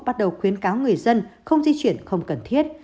bắt đầu khuyến cáo người dân không di chuyển không cần thiết